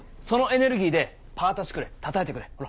そのエネルギーでパータシュクレたたいてくれ。